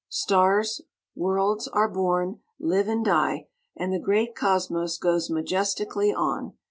Stars, worlds, are born, live and die, and the Great Cosmos goes majestically on.